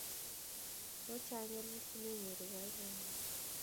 Amache anyalil simenyoru boiboiyet